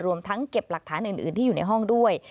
รวมทั้งเก็บหลักฐานอื่นที่อยู่ในห้องด้วย